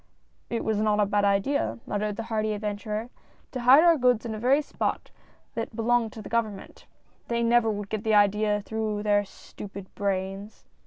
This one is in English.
" It was not a bad idea," muttered the hardy adven turer, "to hide our goods in the very spot that 54 THE NIGHT AFTER. belonged to the government. They never would get the idea through their stupid brains